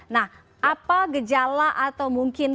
nah apa gejala atau mungkin